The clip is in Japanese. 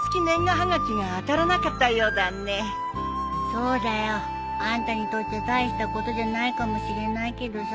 そうだよ。あんたにとっちゃ大したことじゃないかもしれないけどさ